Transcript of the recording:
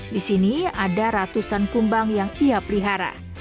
di sini ada ratusan kumbang yang ia pelihara